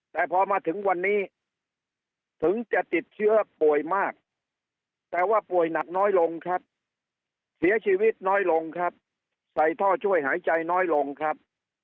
แต่พอมาถึงวันนี้ถึงจะติดเชื้อป่วยมากแต่ว่าป่วยหนักน้อยลงครับเสียชีวิตน้อยลงครับใส่ท่อช่วยหายใจน้อยลงครับ